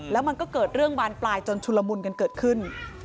แล้วมันก็เกิดเรื่องบานปลายจนชุลมุนกันเกิดขึ้น